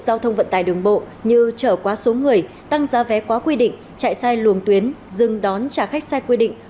giao thông vận tải đường bộ như trở quá số người tăng giá vé quá quy định chạy sai luồng tuyến dừng đón trả khách sai quy định